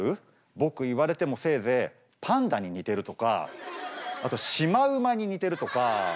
僕言われてもせいぜいパンダに似てるとかあとシマウマに似てるとか。